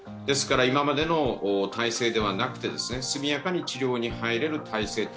ですから今までの体制ではなくて速やかに治療に入れる体制